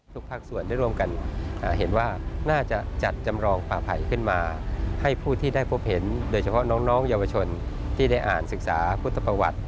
ภาคส่วนได้ร่วมกันเห็นว่าน่าจะจัดจำลองป่าไผ่ขึ้นมาให้ผู้ที่ได้พบเห็นโดยเฉพาะน้องเยาวชนที่ได้อ่านศึกษาพุทธประวัติ